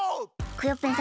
クヨッペン